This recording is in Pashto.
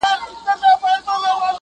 لا به تر کله دا لمبې بلېږي.!